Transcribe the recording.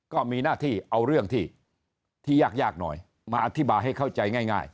ก็มีหน้าที่เอาเรื่องที่ยากหน่อยมาอธิบายให้เข้าใจง่าย